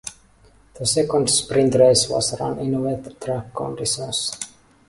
The second sprint race was run in wet track conditions.